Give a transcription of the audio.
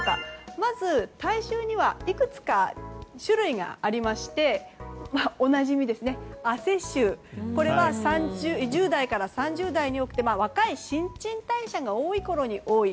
まず体臭にはいくつかの種類がありましておなじみの汗臭、これが１０代から３０代に多くて若く新陳代謝が多いころに多い。